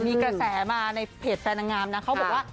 มีกระแสมาในเพจแฟนนางงามนะเขาบอกว่า